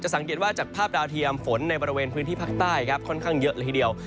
สังเกตว่าจากภาพดาวเทียมฝนในบริเวณพื้นที่ภาคใต้ครับค่อนข้างเยอะเลยทีเดียว